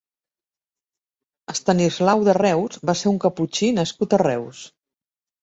Estanislau de Reus va ser un caputxí nascut a Reus.